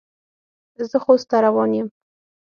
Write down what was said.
زه خوست ته روان یم.